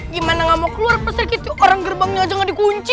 gimana ga mau keluar pasra gitu orang gerbangnya aja ga di kunci